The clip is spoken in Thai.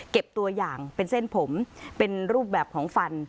ตัวอย่างเป็นเส้นผมเป็นรูปแบบของฟัน